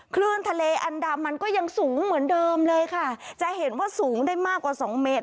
คลื่นทะเลอันดามันก็ยังสูงเหมือนเดิมเลยค่ะจะเห็นว่าสูงได้มากกว่าสองเมตร